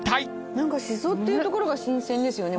何かシソっていうところが新鮮ですよね